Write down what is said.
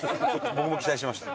僕も期待してました。